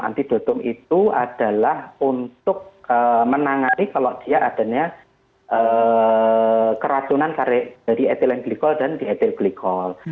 antidotum itu adalah untuk menangani kalau dia adanya keracunan dari ethylene glycol dan dietil glikol